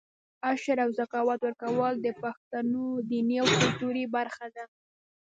عشر او زکات ورکول د پښتنو دیني او کلتوري برخه ده.